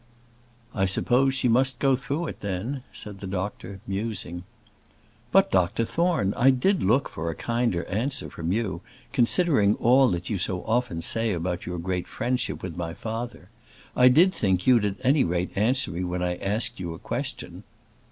"I suppose she must go through it, then," said the doctor, musing. "But, Dr Thorne, I did look for a kinder answer from you, considering all that you so often say about your great friendship with my father. I did think you'd at any rate answer me when I asked you a question."